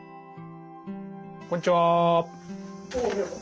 こんにちは。